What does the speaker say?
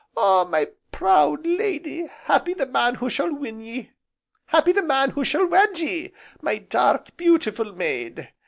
Ah, my proud lady, happy the man who shall win ye! Happy the man who shall wed ye, my dark, beautiful maid.